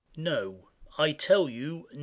No! I tell you no!